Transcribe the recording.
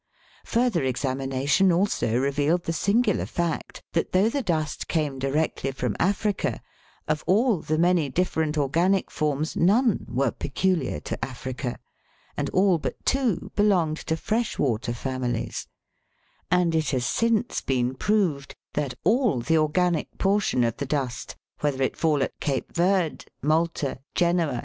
5). Further examination also revealed the singular fact that, though the dust came directly from Africa, of all the many different organic forms none were peculiar to Africa, and all but two belonged to fresh water families ; and it has since been proved that all the organic portion of the dust, whether it fall at Cape Verd, Malta, Genoa.